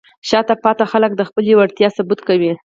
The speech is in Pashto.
شاته پاتې خلک د خپلې وړتیا ثبوت کوي.